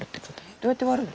どうやって割るの？